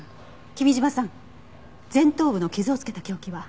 君嶋さん前頭部の傷を付けた凶器は？